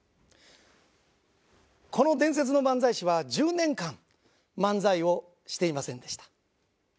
この伝説の漫才師は１０年間漫才をしていませんでした。